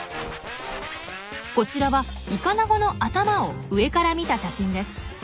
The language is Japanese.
こちらはイカナゴの頭を上から見た写真です。